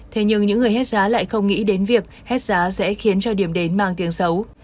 thế nhưng những người hết giá lại không nghĩ đến việc hết giá sẽ khiến cho điểm đến mang tiếng xấu